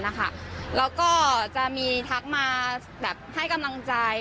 แล้วก็จะมีทักมาแบบให้กำลังใจ